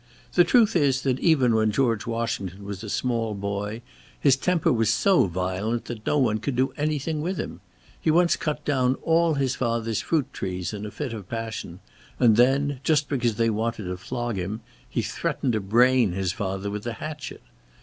The truth is that even when George Washington was a small boy, his temper was so violent that no one could do anything with him. He once cut down all his father's fruit trees in a fit of passion, and then, just because they wanted to flog him, he threatened to brain his father with the hatchet.